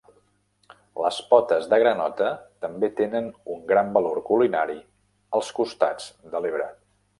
Les potes de granota també tenen un gran valor culinari als costats de l'Ebre.